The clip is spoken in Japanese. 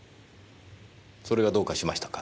それがどうかしましたか？